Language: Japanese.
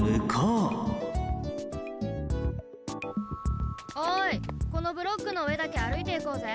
たとえばおいこのブロックのうえだけあるいていこうぜ。